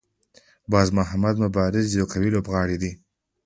باز محمد مبارز یو قوي لوبغاړی دی.